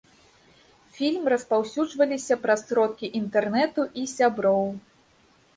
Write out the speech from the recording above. Фільм распаўсюджваліся праз сродкі інтэрнэту і сяброў.